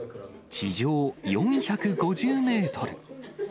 地上４５０メートル。